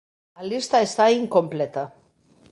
A lista está incompleta.